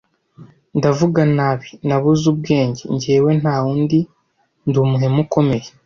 Ndavuga nabi, Nabuze ubwenge, Njyewe ntawundi ndi umuhemu ukomeye,